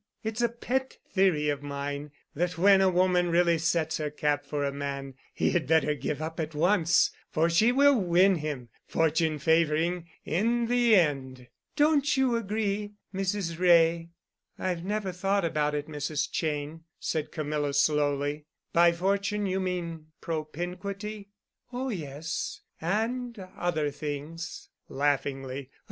It's a pet theory of mine that when a woman really sets her cap for a man he had better give up at once, for she will win him—fortune favoring—in the end. Don't you agree, Mrs. Wray?" "I've never thought about it, Mrs. Cheyne," said Camilla slowly. "By fortune you mean propinquity?" "Oh, yes—and other things——" laughingly.